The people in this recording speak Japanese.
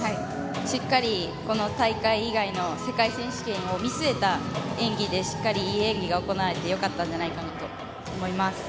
しっかり大会以外の世界選手権を見据えた演技でいい演技が行えてよかったんじゃないかなと思います。